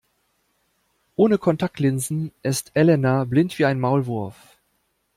Ohne Kontaktlinsen ist Elena blind wie ein Maulwurf.